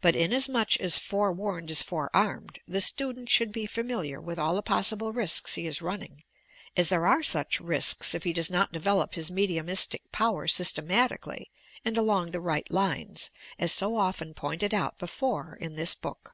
But inasmuch as "fore warned is forearmed" the student should be familiar with all the possible risks he is running; as there are such risks if he does not develop his mediumiatic power systematically and along the right lines, as so often pointed out before in this book.